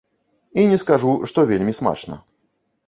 І не скажу, што вельмі смачна.